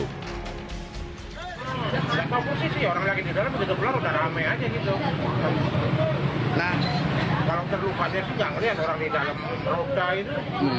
kering balik ke jalan kebinasi civilization yang atauank perusahaan tilt przy tenemos di sebelah menu pandu yang nyinggung dokter z bee nguntursi iba